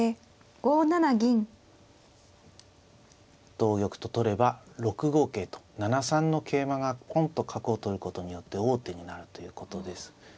同玉と取れば６五桂と７三の桂馬がポンと角を取ることによって王手になるということです。